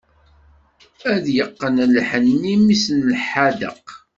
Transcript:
Ad yeqqen lḥenni, mmi-s n lḥadeq.